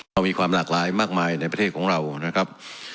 เขามีความหลากหลายมากมายในประเทศของเรานะครับ